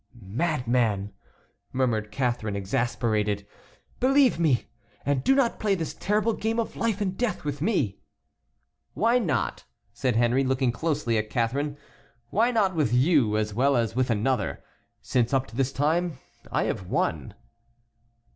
"Madman!" murmured Catharine, exasperated, "believe me, and do not play this terrible game of life and death with me." "Why not?" said Henry, looking closely at Catharine; "why not with you as well as with another, since up to this time I have won?"